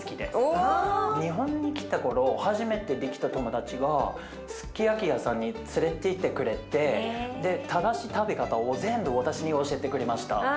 日本に来た頃初めてできた友達がスキヤキ屋さんに連れていってくれて正しい食べ方を全部私に教えてくれました。